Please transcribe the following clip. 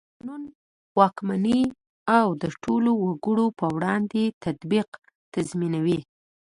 د قانون واکمني او د ټولو وګړو په وړاندې تطبیق تضمینوي.